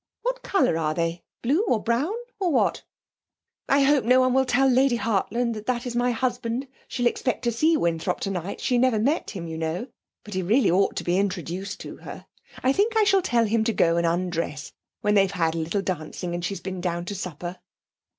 What colour are they? Blue, or brown, or what? I hope no one will tell Lady Hartland that is my husband. She'll expect to see Winthrop tonight; she never met him, you know; but he really ought to be introduced to her. I think I shall tell him to go and undress, when they've had a little dancing and she's been down to supper.'